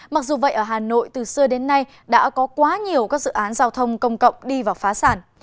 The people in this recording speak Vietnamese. mặc dù vậy ở hà nội từ xưa đến nay đã có quá nhiều các dự án giao thông công cộng đi vào phá sản